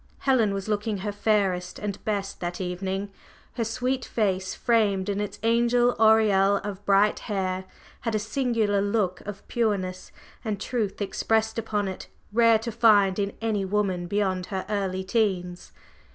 Helen was looking her fairest and best that evening her sweet face, framed in its angel aureole of bright hair had a singular look of pureness and truth expressed upon it rare to find in any woman beyond her early teens.